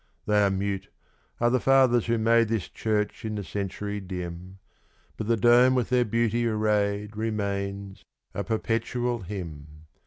They are mute, are the fathers who made this church in the century dim; But the dome with their beauty arrayed remains, a perpetual hymn.